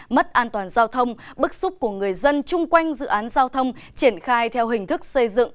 mất an toàn giao thông bức xúc của người dân chung quanh dự án giao thông triển khai theo hình thức xây dựng